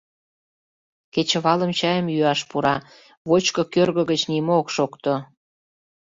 Кечывалым чайым йӱаш пура — вочко кӧргӧ гыч нимо ок шокто.